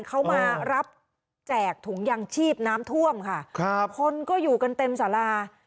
เขามารับแจกถุงยางชีพน้ำท่วมค่ะครับคนก็อยู่กันเต็มสารา